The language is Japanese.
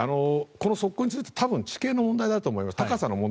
側溝について多分地形、高さの問題だと思います。